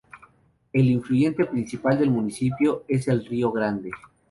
El afluente principal del municipio es el río Grande.